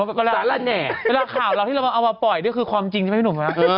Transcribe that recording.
เวลาข่าวเราที่เราเอามาปล่อยด้วยคือความจริงใช่ไหมพี่หนุ่ม